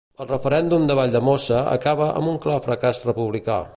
El referèndum de Valldemossa acaba amb un clar fracàs republicà.